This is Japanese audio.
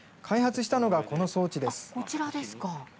こちらですか。